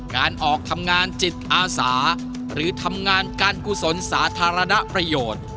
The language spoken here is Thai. งานออกทำงานจิตอาสาหรือทำงานการกุศลสาธารณประโยชน์